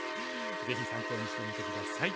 ぜひ参考にしてみて下さい。